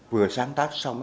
vừa sáng tác xong